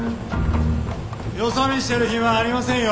よそ見してるヒマありませんよ